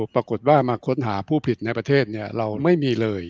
ปรากฏว่ามาค้นหาผู้ผิดในประเทศเราไม่มีเลย